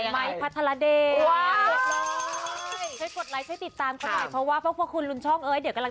ไมค์พัฒนาเดช